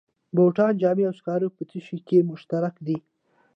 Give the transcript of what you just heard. بوټان، جامې او سکاره په څه شي کې مشترک دي